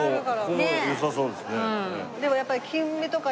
ここもよさそうですね。